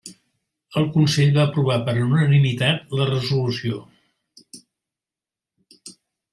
El Consell va aprovar per unanimitat la resolució.